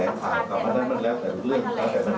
ว่าคงดีไม่ครับเพราะท่านเป็นคนให้กำลังใจผู้ผม